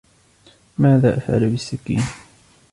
ماذا أفعل بالسكين ؟